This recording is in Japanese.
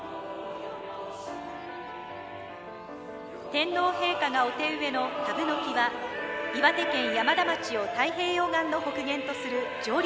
天皇陛下がお手植えのタブノキは岩手県山田町を太平洋岸の北限とする常緑広葉樹です。